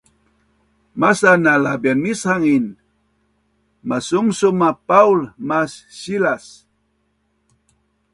Masa na labianmishangin, masumsum a Paul mas Silas